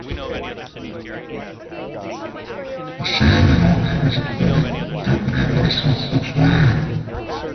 That same year he was appointed deputy Minister for Trade.